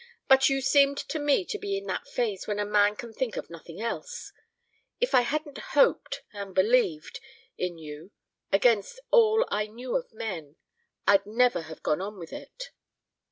"But you seemed to me to be in that phase when a man can think of nothing else. If I hadn't hoped and believed in you against all I knew of men, I'd never have gone on with it."